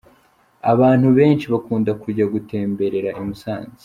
Abantu benshi bakunda kujya gutemberera i Musanze.